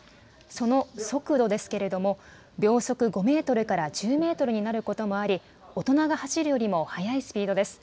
その速度ですけれども秒速５メートルから１０メートルになることもあり大人が走るよりも速いスピードです。